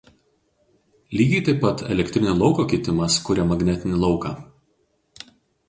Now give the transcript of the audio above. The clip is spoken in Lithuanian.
Lygiai taip pat elektrinio lauko kitimas kuria magnetinį lauką.